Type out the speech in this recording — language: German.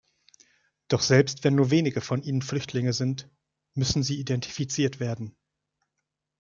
Doch selbst wenn nur wenige von ihnen Flüchtlinge sind, müssen sie identifiziert werden.